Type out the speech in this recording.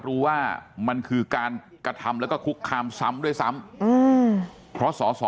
รู้ว่ามันคือการกระทำแล้วก็คุกคามซ้ำด้วยซ้ำเพราะสอสอ